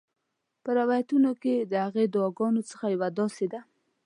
په روایتونو کې د هغې د دعاګانو څخه یوه داسي ده: